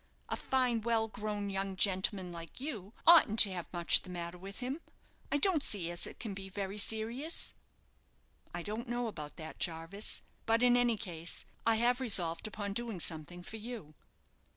A fine, well grown young gentleman like you oughtn't to have much the matter with him. I don't see as it can be very serious." "I don't know about that, Jarvis; but in any case I have resolved upon doing something for you."